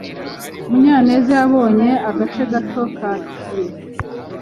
Munyaneza yabonye agace gato ka pie.